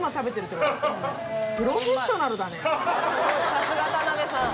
さすが田辺さん